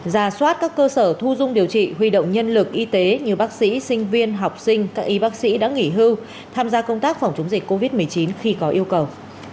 ra soát các cơ sở thu dung điều trị huy động nhân lực y tế như bác sĩ sinh viên học sinh các y bác sĩ đã nghỉ hưu tham gia công tác phòng chống dịch covid một mươi chín khi có yêu cầu